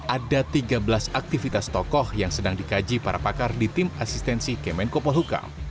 ada tiga belas aktivitas tokoh yang sedang dikaji para pakar di tim asistensi kemenkopol hukam